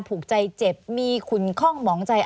เพื่อที่จะไปนกต่อให้